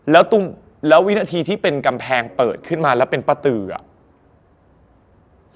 แล้ววินาทีที่เป็นกำแพงเปิดขึ้นมาแล้วเป็นประตืออะ